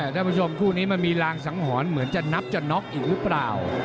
ท่านผู้ชมคู่นี้มันมีรางสังหรณ์เหมือนจะนับจะน็อกอีกหรือเปล่า